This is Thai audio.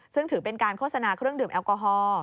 ซึ่งถือเป็นการโฆษณาเครื่องดื่มแอลกอฮอล์